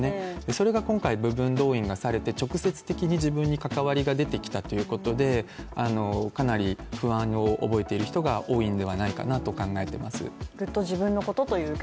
それが今回、部分動員がされて、直接的に自分に関わりが出てきたということでかなり不安を覚えている人が多いんではないかなと考えています。